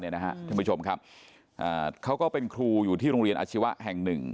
ท่านผู้ชมครับเขาก็เป็นครูอยู่ที่โรงเรียนอาชีวะแห่งหนึ่ง